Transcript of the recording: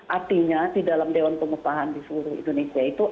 artinya di dalam dewan pengupahan di seluruh indonesia itu